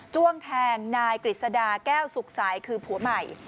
้วงแทงนายกฤษดาแก้วสุขสายคือผัวใหม่